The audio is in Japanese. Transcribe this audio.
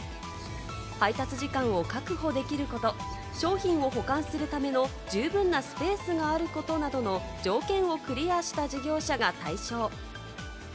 配達時間を確保できること、商品を保管するための十分なスペースがあることなどの条件をクリアした事業者が対象。